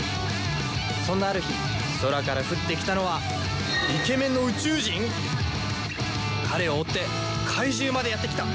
そんなある日空から降ってきたのは彼を追って怪獣までやってきた。